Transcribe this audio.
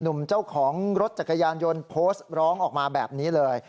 หนุ่มเจ้าของรถจักรยานยนต์โพสต์ร้องออกมาแบบนี้เลย